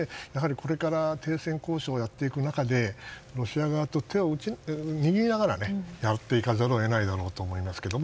これから、停戦交渉をやっていく中でロシア側と手を握りながらやっていかざるを得ないだろうと思いますけど。